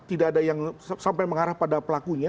tidak ada yang sampai mengarah pada pelakunya